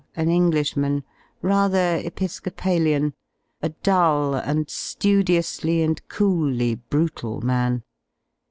an Englishman, rather episcopalian; a dull and ^udiously and coolly brutal man.